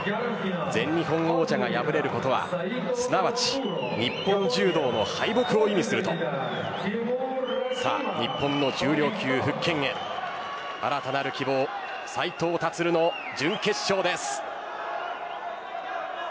全日本王者が敗れることはすなわち日本柔道の敗北を意味すると日本の重量級復権へ新たなる希望、斉藤立の準決勝です。